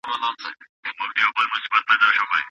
فقهاء پر دې اتفاق لري.